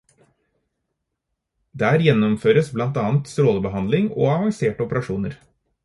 Der gjennomføres blant annet strålebehandling og avanserte operasjoner.